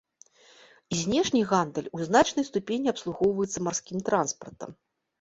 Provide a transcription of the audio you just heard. Знешні гандаль у значнай ступені абслугоўваецца марскім транспартам.